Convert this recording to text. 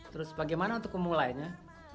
terus bagaimana untuk pemulainya